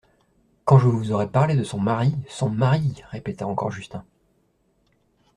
Quand je vous aurai parlé de son mari … Son mari ! répéta encore Justin.